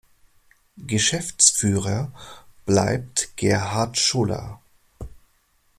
Geschäftsführer bleibt Gerhard Schuller.